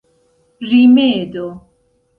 rimedo